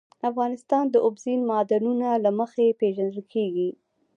افغانستان د اوبزین معدنونه له مخې پېژندل کېږي.